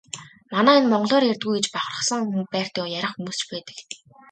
Манай энэ монголоор ярьдаггүй гэж бахархсан байртай ярих хүмүүс ч байдаг.